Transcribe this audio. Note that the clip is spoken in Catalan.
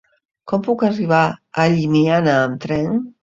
Com puc arribar a Llimiana amb tren?